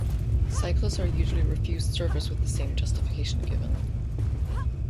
Cyclists are usually refused service with the same justification given.